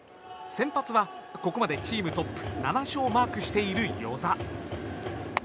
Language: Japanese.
先発はここまでチームトップ７勝をマークしている與座。